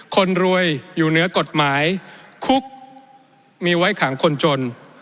คนรวยอยู่เหนือกฎหมายคุกมีไว้ขังคนจน